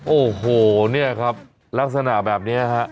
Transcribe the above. โอ้โหเนี่ยครับลักษณะแบบนี้ฮะ